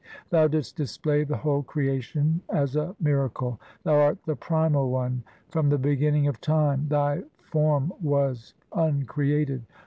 Thou didst display the whole creation as a miracle ; Thou art the Primal One from the beginning of time ; Thy form was uncreated.